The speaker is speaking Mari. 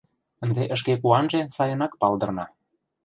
Ынде шке куанже сайынак палдырна.